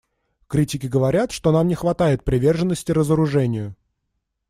Критики говорят, что нам не хватает приверженности разоружению.